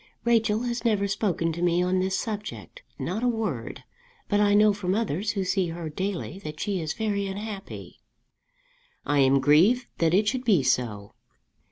Rachel has never spoken to me on this subject not a word; but I know from others who see her daily that she is very unhappy." "I am grieved that it should be so."